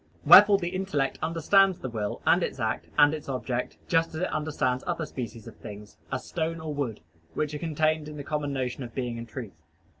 Wherefore the intellect understands the will, and its act, and its object, just as it understands other species of things, as stone or wood, which are contained in the common notion of being and truth.